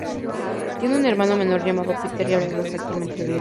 Tiene un hermano menor llamado Peter y habla perfectamente el griego.